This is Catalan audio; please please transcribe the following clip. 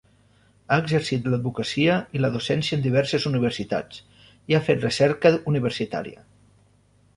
Ha exercit l'advocacia i la docència en diverses universitats i ha fet recerca universitària.